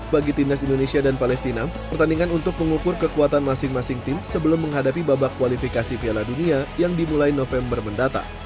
bagi timnas indonesia dan palestina pertandingan untuk mengukur kekuatan masing masing tim sebelum menghadapi babak kualifikasi piala dunia yang dimulai november mendatang